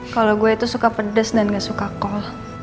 kalau gue itu suka pedes dan gak suka kol